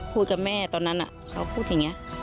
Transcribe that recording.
กับแม่ตอนนั้นเขาพูดอย่างนี้